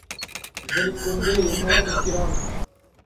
இசலிக் கொண்டே என்னோடே நிற்கிறான்.